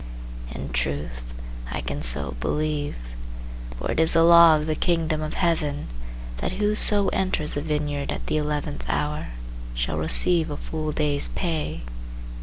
In truth, I can so believe. For it is a law of the Kingdom of Heaven That whoso enters the vineyard at the eleventh hour Shall receive a full day's pay.